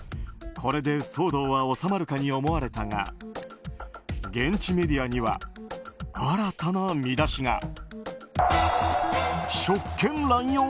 これで騒動は収まるかに思われたが現地メディアには新たな見出しが。